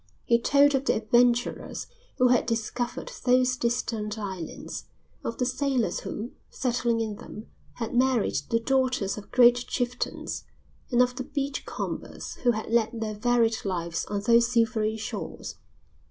He told of the adventurers who had discovered those distant islands, of the sailors who, settling in them, had married the daughters of great chieftains, and of the beach combers who had led their varied lives on those silvery shores.